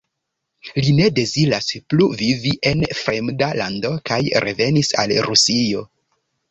Li ne deziras plu vivi en fremda lando kaj revenis al Rusio.